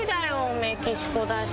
メキシコだし。